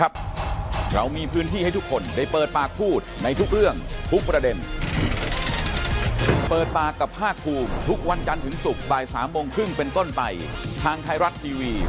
พบกันใหม่พรุ่งนี้บ่ายสามครึ่งครับ